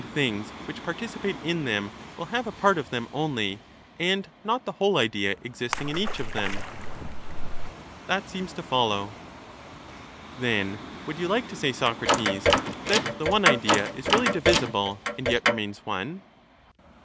5 1 things which participate in them will have a part of them Par only and not the whole idea existing in each of them ? That seems to follow. p^^ki. Then would you like to say, Socrates, that the one idea is really divisible and yet remains one